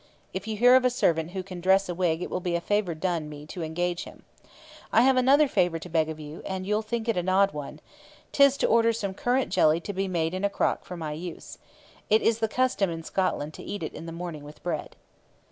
If you hear of a servant who can dress a wig it will be a favour done me to engage him. I have another favour to beg of you and you'll think it an odd one: 'tis to order some currant jelly to be made in a crock for my use. It is the custom in Scotland to eat it in the morning with bread.'